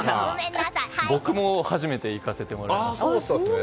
僕も初めて行かせてもらいました。